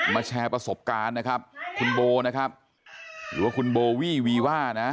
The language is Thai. แชร์ประสบการณ์นะครับคุณโบนะครับหรือว่าคุณโบวี่วีว่านะ